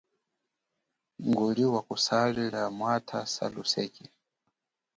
Nguli wa kusali lia mwatha saluseke.